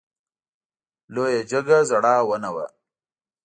لویه جګه زړه ونه وه .